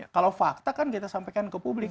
kalau fakta kan kita sampaikan ke publik